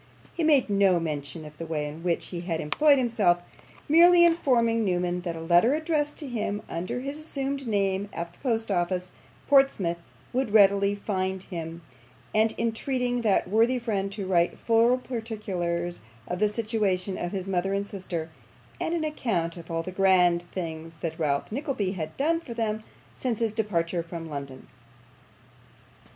He made no mention of the way in which he had employed himself; merely informing Newman that a letter addressed to him under his assumed name at the Post Office, Portsmouth, would readily find him, and entreating that worthy friend to write full particulars of the situation of his mother and sister, and an account of all the grand things that Ralph Nickleby had done for them since his departure from London.